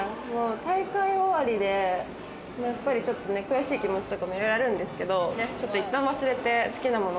大会終わりでやっぱりちょっと悔しい気持ちとかもいろいろあるんですけど、一旦忘れて、好きなもの